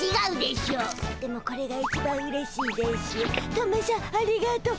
トメしゃんありがとう。